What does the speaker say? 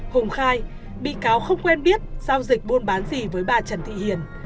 hùng khai bị cáo không quen biết giao dịch buôn bán gì với bà trần thị hiền